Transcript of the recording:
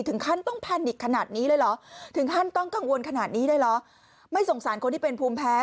ถึงท่านต้องกังวลขนาดนี้ได้หรอไม่สงสารคนที่เป็นภูมิแพ้